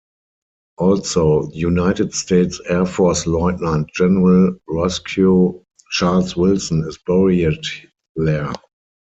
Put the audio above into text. Also, United States Air Force Lieutenant General Roscoe Charles Wilson is buried there.